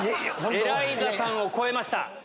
エライザさんを超えました。